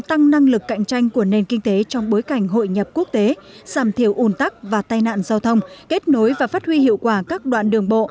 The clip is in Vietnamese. tăng năng lực cạnh tranh của nền kinh tế trong bối cảnh hội nhập quốc tế giảm thiểu ủn tắc và tai nạn giao thông kết nối và phát huy hiệu quả các đoạn đường bộ